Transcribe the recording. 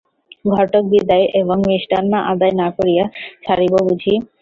ঘটক-বিদায় এবং মিষ্টান্ন-আদায় না করিয়া ছাড়িব বুঝি?